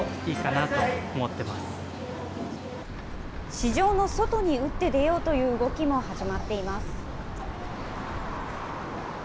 市場の外に打って出ようという動きも始まっています。